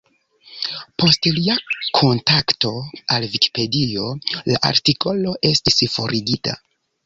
Post lia kontakto al Vikipedio, la artikolo estis forigita.